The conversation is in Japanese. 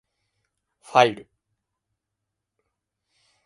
ファイル